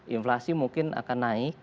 inflasi mungkin akan naik